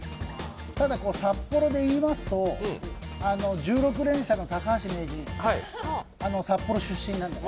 ただ、札幌でいいますと、１６連射の高橋名人、札幌出身なんでね。